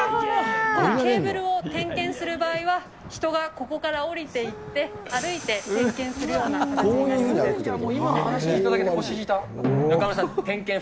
このケーブルを点検する場合は、人がここから下りていって、歩いて点検するような形になりま